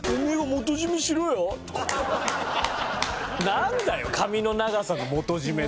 なんだよ髪の長さの元締めって。